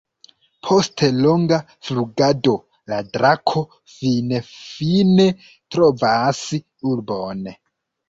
Post longa flugado, la drako finfine trovas urbon.